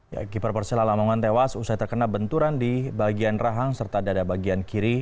ya keeper persela lamongan tewas usai terkena benturan di bagian rahang serta dada bagian kiri